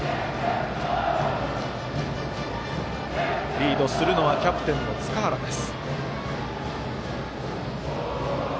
リードするのはキャプテンの塚原です。